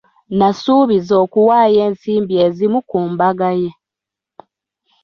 Nasuubiza okuwaayo ensimbi ezimu ku mbaga ye.